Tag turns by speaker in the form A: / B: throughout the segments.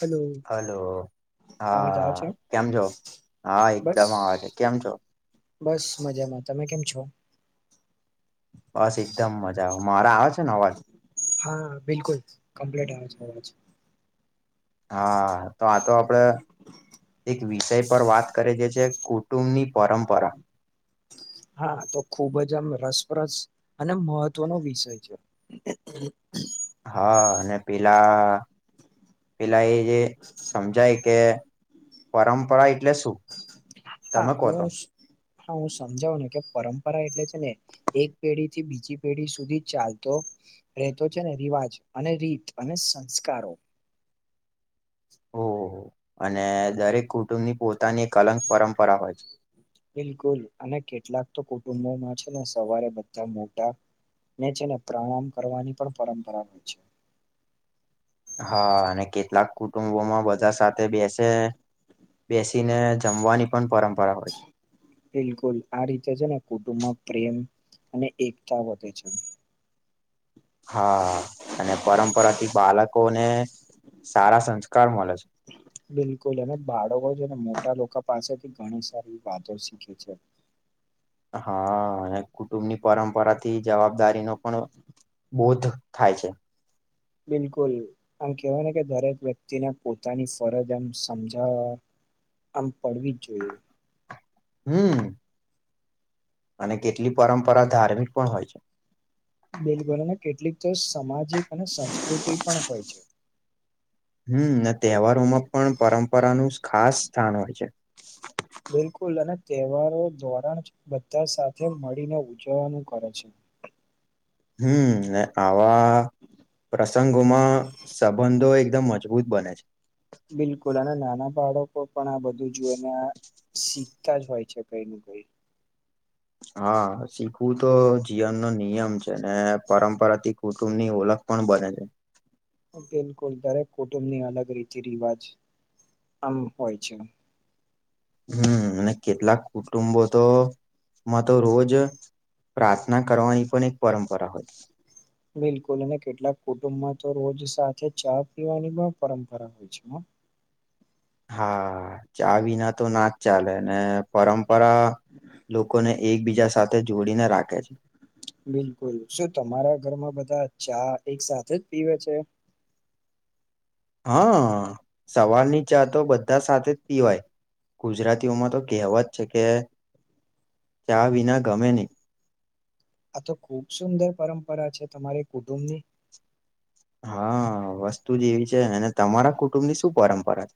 A: Hello. અવાજ આવે
B: હા,
A: છે
B: કેમ છો? હા
A: બસ
B: એકદમ આવેે કેમ છો?
A: બસ મજામાં, તમે કેમ છો?
B: બસ એકદમ મજા, આવે મારે આવે છે ને અવાજ.
A: હા બિલકુલ કમ્પ્લીટ આવે છે અવાજ.
B: હા તો આ તો આપડે એક વિષય પર વાત કરે છે છે કુટુંબની પરંપરા.
A: હા તો ખુબ જ આમ રસપ્રસ અને મહત્વનો વિષય છે.
B: હા અને પેલા પેલા એ જે સમજાય કે પરંપરા એટલે શું?
A: હા
B: તમે કહો
A: તો હા હું સમજાવું ને કે પરંપરા એટલે છે ને એક પેઢી થી બીજી પેઢી સુધી ચાલતો રહેતો છે ને રિવાજ, અને રીત અને સંસ્કારો.
B: ઓહ અને દરેક કુટુંબની પોતાની એક અલગ પરંપરા હોય છે.
A: બિલકુલ અને કેટલાક તો કુટુંબોમાં છે, ને સવારે બધા મોટા છે ને પ્રણામ કરવાની પણ પરંપરા હોય છે.
B: હા અને કેટલાક કુટુંબોમાં બધા સાથે બેસે. બેસીને જમવાની પણ પરંપરા હોય છે.
A: બિલકુલ આ રીતે છે ને કુટુંબમાં પ્રેમ અને એકતા વધે છે.
B: હા અને પરંપરાથી બાળકોને સારા સંસ્કાર. મળે છે.
A: બિલકુલ અને બાળકો છે ને મોટા લોકો પાસે. ઘણી સારી વાતો શીખે છે.
B: હા અને કુટુંબની પરંપરાથી જવાબદારી ન પણ. બોધ થાય છે.
A: બિલકુલ આમ કેહેવાય ને કે દરેક વ્યક્તિને પોતાની ફરજ એમ સમજાવવા. આમ પડવી જ જોઈએ.
B: હમ. અને કેટલી પરંપરા ધાર્મિક પણ હોય છે.
A: બિલ બોલ કેટલીક તો સામાજિક અને સંસ્કૃતિ પણ હોય છે.
B: હમ અને તહેવારોમાં પણ પરંપરાનું ખાસ સ્થાન હોય છે.
A: બિલકુલ અને તહેવારો ધોરણ બધા સાથે મળીને ઉજવવાનું કરે છે.
B: હમ ને આવા. પ્રસંગોમાં સંબંધો એકદમ મજબૂત બને છે.
A: બિલકુલ અને નાના બાળકો પણ આ બધું જોઈને શીખ. તા જ હોય છે કઈ ન કઈ.
B: હા શીખવું તો જીવન નો નિયમ છે ને પરંપરાથી. કુટુંબની ઓળખ પણ બને છે.
A: બિલકુલ દરેક કુટુંબની અલગ રીતે રિવાજ આમ હોય છે.
B: હમ અને કેટલાક કુટુંબો તો. માં તો રોજ પ્રાર્થના કરવાની પણ એક પરંપરા હોય.
A: બિલકુલ અને કેટલાક કુટુંબમાં તો રોજ સાથે ચા પીવાની પણ પરંપરા હોય છે.
B: [unintelligible] [inaudible] હા ચ વિના તો ના જ ચાલે ને પરંપરા. લોકોને એકબીજા સાથે જોડીને રાખે છે.
A: બિલકુલ શું તમારા ઘરમાં બધા ચા એક સાથે જ પીવે છે.
B: હા સવાર નીચાતો બધા સાથે જ પીવાય. ગુજરાતીઓમાં તો કહેવત છે કે ચ્યા વિના ગમે નહી.
A: આ તો ખુબ સુંદર પરંપરા છે તમારી કુટુંબની.
B: હા વસ્તુ જ એવી છે અને તમારા કુટુંબ ની શું પરંપરા.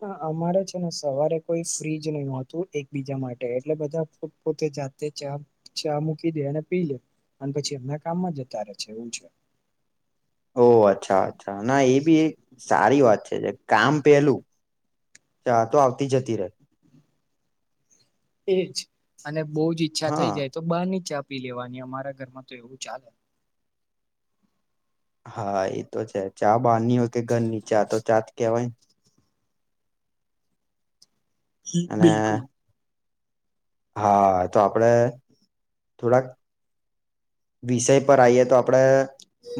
A: હ અમારે છે ને સવારે કોઈ ફ્રીજ નહીતું એક બીજા માટે એટલે બધા પોત પોતે. જાતે ચા ચા મૂકી દે અને પી લે. અને પછી એમણા કામમાં જતા રહે છે એું છે.
B: ઓહ અચ્છા અચ્છા ના એ બી એક સારી વાત છે. કામ પેલું ચા તો આવતી જતી ર.
A: એજ અને બહુ જ ઈચ્છા
B: હા
A: થઈ જાય તો બ નીચે. આપી લેવાની અમારા ઘરમાં તો એવું ચાલે.
B: હા એ તો છે ચા બહાર ની હોય કે ઘરની ચા તો ચાત કેવાય.
A: હ
B: અને
A: બિલકુલ.
B: હા તો આપડે. થોડાક વિષય પર આવીઈએ તો આપણેે.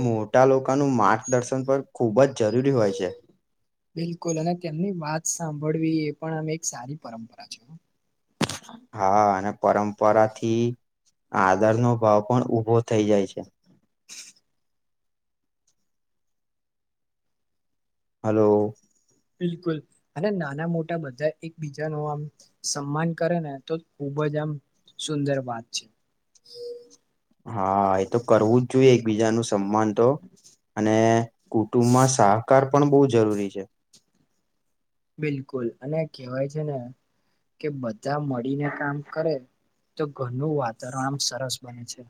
B: મોટા લોકોનું માર્ગદર્શન પર ખૂબ જ જરૂરી હોય છે.
A: લ અને તેમની વાત સાંભળ. પણમે એક સારી પરંપરા છે.
B: હા અને. પરંપરા થી આદર નો ભાવ પણ ઉભો થઈ જાય છે.
A: [unintelligible] [inaudible]
B: હલો
A: બિલકુલ અને નાના મોટા બધા એકબીજા નુ આમ સન્માન કરે ને તો ખુબ ખુબજ સુંદર વાત છે.
B: હા એ તો કરવું જ જોઈએ એકબીજાનું સમાન તો અને કુટુંબમાં સહકાર પણ બહુ જરૂરી છે.
A: બિલકુલ અને કેહેવાય છે ને કે બધા મળીને કામ કરે તો ઘરનું વાતાવરણ સરસ બને છે.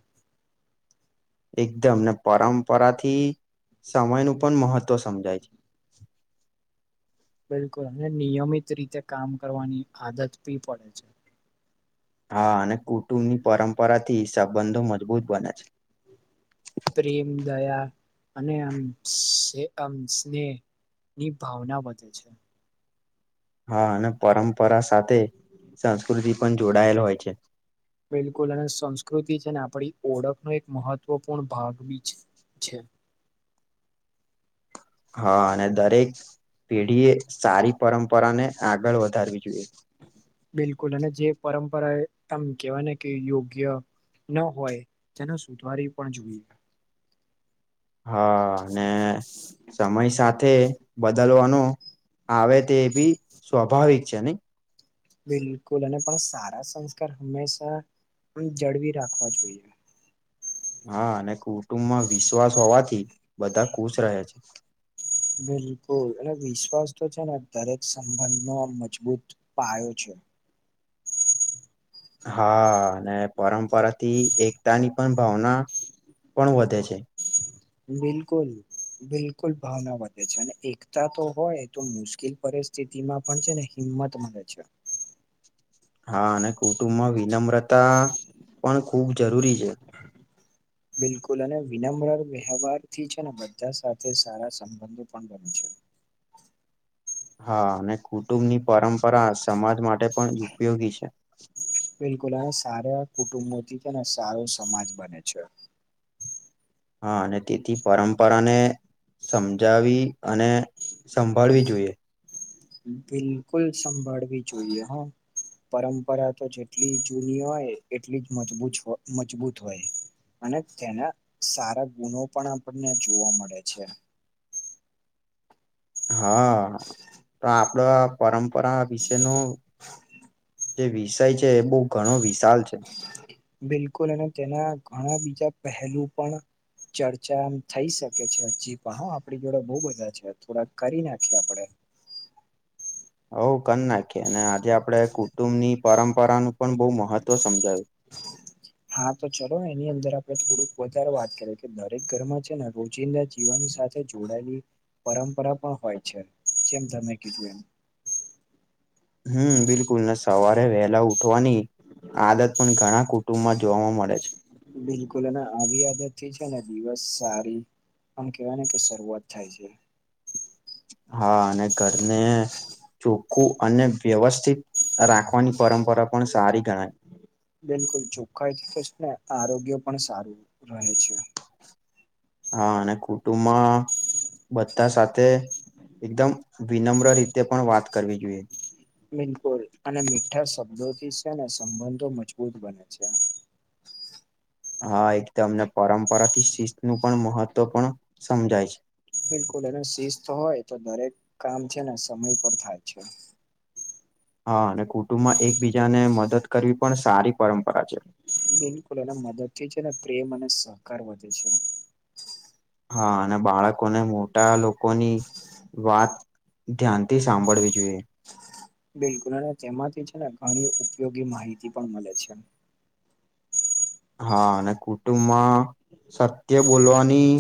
B: એકદમ ને પરંપરા થી સમયનું પણ મહત્ત્વ સમજાય છે.
A: બિલકુલ અને નિયમિત રીતે કામ કરવાની આદત બી પડે છે.
B: હા અને કુટુંબની પરંપરા થી સંબંધો મજબૂત બને છે.
A: પ્રેમ દયા નેસેહ ની ભાવના વધે છે.
B: હા અને પરંપરા સાથે સંસ્કૃતિ પણ જોડાયેલ હોય છે.
A: બિલકુલ અને સંસ્કૃતિ છે ને આપડી ઓળખનો એક મહત્વપૂર્ણ ભાગ બી છે. છે.
B: હા અને દરેક પેઢીએ સારી પરંપરાને આગળ વધારવી જોઈએ.
A: બિલકુલ અને જે પરંપરા એ આમ કેવાના કે યોગ્ય ન હોય તેનો સુધારી પણ જોઈએ.
B: હા. અને સમય સાથે બદલવાનું આવે તે એ ભી સ્વાભાવિક છે ને
A: બિલકુલ અને પણ સારા સંસ્કાર હંમેશા પણ જડવી રાખવા જોઈએ.
B: હા અને કુટુંમમાં વિશ્વાસ હોવાથી બધા ખુશ રહે છે.
A: બિલકુલ અને વિશ્વાસ તો છે ને દરેક સંબંધનો મજબૂત પાયો છે. [inaudible]
B: હા અને પરંપરાથી એકતાની પણ ભાવના પણ વધે છે.
A: બિલકુલ બિલકુલ ભાવના વધે છે. અને એકતા તો હોય તો મુશ્કેલ પડે સ્થિતિમાં પણ છે ને હિંમત મળે છે.
B: [inaudible] હા અને કુટુંબમાં વિનમ્રતા પણ ખુબ જરૂરી છે.
A: બિલકુલ અને વિનમ્ર વ્યવહારથી છે ને બધા સાથે સારા સંબંધો પણ બને છે.
B: [inaudible] હા અને કુટુંબની પરંપરા સમાજ માટે પણ ઉપયોગી છે.
A: બિલકુલ અને સારા કુટુંબોથી ને સારો સમાજ બને છે.
B: હા અને તેથી પરંપરાને સમજાવી અને સંભાળવી જોઈએ.
A: બિલકુલ સંભાળવી જોઈએ હો પરંપરા તો જેટલી જૂની હોય એટલી જ મજબૂત મજબૂત હોય. અને તેના સારા ગુણો પણ આપણને જોવા મળે છે.
B: હા તો આપડો આ પરંપરા વિશેનું
A: [inaudible]
B: જે વિષય છે એ બોઉ ઘણો વિષ
A: બિલકુલ અને તેના ઘણા બીજા પહેલું પણ ચર્ચા એમ થઈ શકે છે. [unintelligible] આપડી જોડે બઉ બધા છે થોડાક કરી નાખીએ આપડે.
B: [inaudible] [unintelligible] કે અને આજે આપણે કુટુંબની પરંપરાનું પણ બોઉ મહત્વ સમજાવ્યું.
A: હા તો ચલો. એની અંદર આપણે થોડુંક વધારે વાત કરીએ કે દરેક ઘરમાં છે ને રોજિંદા જીવન સાથે જોડાયેલી પરંપરા પણ હોય છે જેમ તમે કીધું એમ.
B: હમમ બિલ બિલકુલ ને સવારે વહેલા ઉઠવાની આદત પણ ઘણા કુટુંબમાં જોવા મળે છે.
A: બિલકુલ અને આવી આદત થી છેને દિવસ સારી આમ કેવાયને કે શરૂઆત થાય છે.
B: હા અને ઘરને ચોખ્ખું અને વ્યવસ્થિત રાખવાની પરંપરા પણ સારી ગણાય.
A: બિલકુલ ચોખ્ખાઈથી તો છે ને આરોગ્ય પણ સારું રહે છે.
B: હા અને કુટુંબમાં બધા સાથે એકદમ વિનમ્ર રીત
A: બિલકુલ અને મીઠા શબ્દો થી સે ને સંબંધો મજબૂત બને છે.
B: હા એક તો એમને પરંપરાથી શિસ્ત નું પણ મહત્વ પણ સમજાય છે.
A: બિલકુલ એનું શિસ્ત હોય તો દરેક કામ છે ને સમય પર થાય છે.
B: હા અને કુટુંબમાં એકબીજાને મદદ કરવી પણ સારી પરંપરા છે.
A: બિલકુલ અને મદદથી છે ને પ્રેમ અને સહકાર વધે છે.
B: હા અને બાળકોને મોટા લોકોની વાત ધ્યાનથી સાંભળવી જોઈએ.
A: બિલકુલ અને તેમાંથી છે ને ઘણી ઉપયોગી માહિતી પણ મળે છે.
B: હા અને કુટુંબમાં સત્ય બોલવાની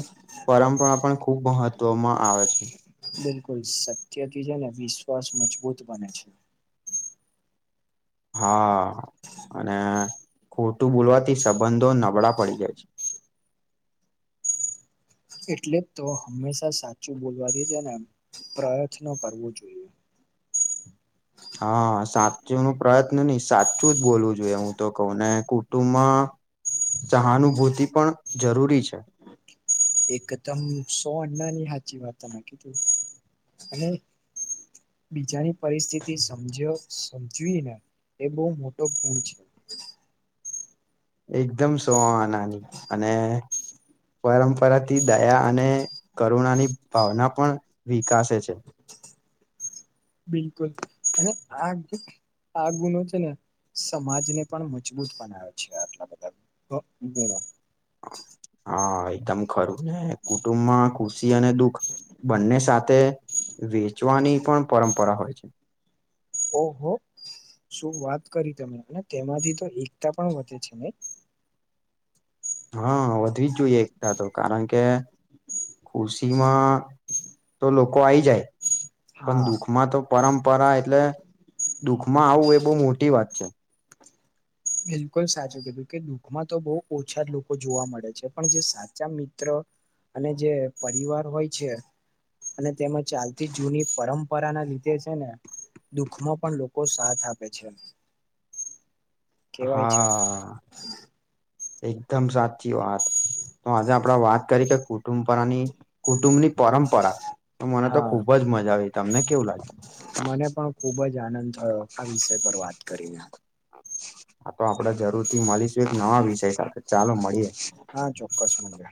B: પરંપરા પણ ખુબ મહત્વમાં આવે છે.
A: બિલકુલ સત્યથી છે ને વિશ્વાસ મજબૂત બને છે.
B: હા. અને ખોટું બોલવાથી સંબંધો નબળા પડી જાય છે. [inaudible]
A: એટલે તો હંમેશા સાચું બોલવાથી છે ને પ્રયત્નો કરવો જોઈએ.
B: [inaudible] હા સાચું નું પ્રયત્ન ની સાચું જ બોલવું જોઈએ હું તો કહું ને કુટુંબમાં સહાનુભૂતિ પણ જરૂરી છે.
A: એકદમ સોણનાની સાચી વાત તમે કીધી અને બીજાની પરિસ્થિતિ સમજ્યો સમજવી ને એ બો મોટો ગુણ છે.
B: એકદમ સોઆનાની અને પરંપરાથી દયા અને કરુણાની ભાવના પણ વિકાસે છે.
A: બિલકુલ અને આ આ ગુનો છે ને સમાજને પણ મજબૂત બનાવે છે આટલા બધા ગ ગુણો
B: [inaudible] હા એકદમ ખરું ને કુટુંબમાં ખુશી અને દુઃખ બંને સાથે વેચવાની પણ પરંપરા હોય છે.
A: ઓ હો શું વાત કરી તમે અને તેમાંથી તો એકતા પણ વધે છે. નય
B: હા વધવી જ જોઈએ એકતા તો કારણ કે ખુશીમાં તો લોકો આઈ જાય. પણ
A: હા
B: દુઃખમાં તો પરંપ પરા એટલે દુઃખમાં આવું એ બો મોટી વાત છે.
A: બિલકુલ સાચું કીધું કે દુઃખમાં તો બો ઓછા લોકો જોવા મળે છે પણ જે સાચા મિત્ર અને જે પરિવાર હોય છે. અને તેમાં ચાલતી જૂની પરંપરા ના લીધે છે, ને દુઃખમાં પણ લોકો સાથ આપે છે, કેવાય છે
B: હા એકદમ સાચી વાત તો આજે આપણે વાત કરી કે કુટુંબ પરની કુટુંબની પરંપરા તો મને તો
A: હા
B: ખુબ જ મજા આવી તમને કેવું લાગ્યું?
A: મને પણ ખુબ જ આનંદ થયો આ વિષય પર વાત કરીને,
B: હા, તો આપડે જરૂર થી મળીશું એક નવા વિષય સાથે ચાલો મળીએે
A: હા, ચોક્કસ મજે